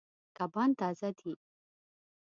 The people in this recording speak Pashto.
کبان تازه دي.